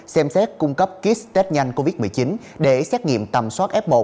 xem xét cung cấp kit test nhanh covid một mươi chín để xét nghiệm tầm soát f một